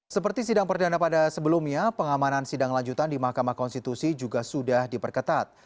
seperti sidang perdana pada sebelumnya pengamanan sidang lanjutan di mahkamah konstitusi juga sudah diperketat